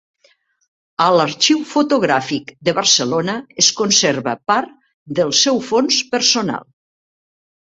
A l'Arxiu Fotogràfic de Barcelona es conserva part del seu fons personal.